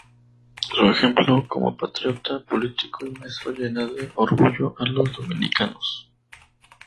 Su ejemplo como patriota, político y maestro llena de orgullo a los dominicanos.